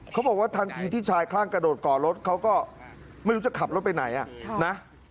เขาบอกว่าทันทีที่ชายคลั่งกระโดดก่อรถเขาก็ไม่รู้จะขับรถไปไหนนะ